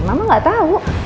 mama nggak tau